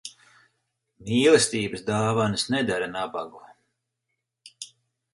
Mīlestības dāvanas nedara nabagu.